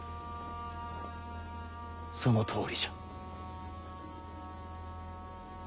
そのとおりじゃ。